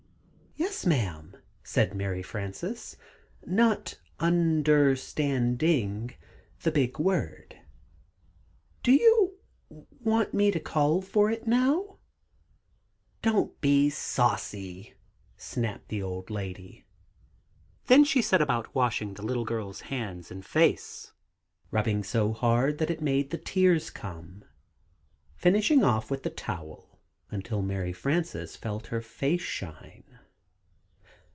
"Yes, ma'am," said Mary Frances, not un der stand ing the big word "do you want me to call for it now?" "Don't be saucy!" snapped the old lady. Then she set about washing the little girl's hands and face, rubbing so hard that it made the tears come, finishing off with the towel until Mary Frances felt her face shine.